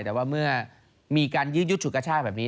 แต่ว่าเมื่อมีการยืดฉุดกระชากแบบนี้